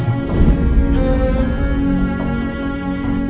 kau mau hamil bukan anak aku din